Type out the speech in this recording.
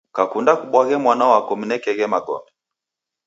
Kakunda kubwaghe mwana wako mnekeghe magome.